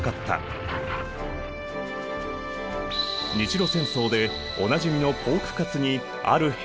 日露戦争でおなじみのポークカツにある変化が！